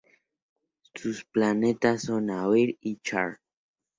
Sus planetas son: Aiur y Char.